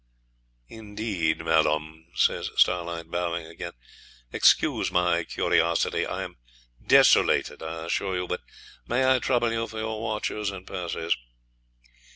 'Indeed, madam,' says Starlight, bowing again; 'excuse my curiosity, I am desolated, I assure you, but may I trouble you for your watches and purses?'